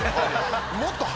もっと。